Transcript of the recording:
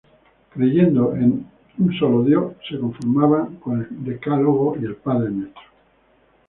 Creyendo en un solo dios, se conformaban con el Decálogo y el Padrenuestro.